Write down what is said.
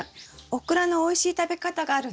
オクラのおいしい食べ方があるんですけど。